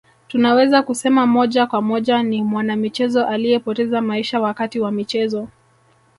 Tunaweza kusema moja kwa moja ni mwanamichezo aliyepoteza maisha wakati wa michezo